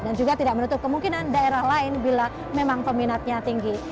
dan juga tidak menutup kemungkinan daerah lain bila memang peminatnya tinggi